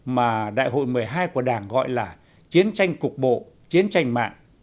mà đại hội một mươi hai của đảng gọi là chiến tranh cục bộ chiến tranh mạng